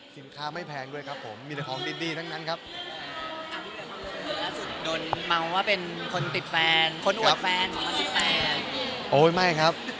สินค้าไม่แพงด้วยครับผมมีแต่ของดีทั้งครับ